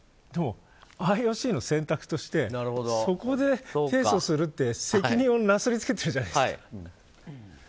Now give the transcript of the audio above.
でも、ＩＯＣの選択としてそこで提訴するって、責任をなすりつけてるじゃないですか。